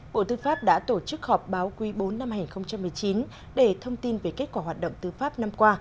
bộ tư pháp đã tổ chức họp báo quý bốn năm hai nghìn một mươi chín để thông tin về kết quả hoạt động tư pháp năm qua